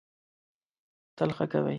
تل ښه کوی.